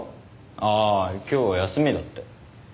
ああ今日休みだって。